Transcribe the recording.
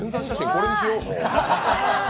これにしよう、もう。